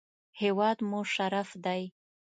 هېواد مو شرف دی